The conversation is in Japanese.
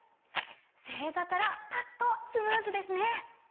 正座からパッとスムーズですね！